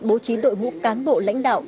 bố trí đội ngũ cán bộ lãnh đạo